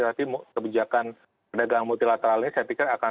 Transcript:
berarti kebijakan perdagangan multilateral ini saya pikir akan